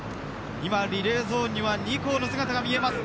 リレーゾーンには２校の姿が見えます。